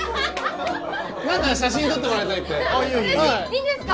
何か写真撮ってもらいたいっていいよ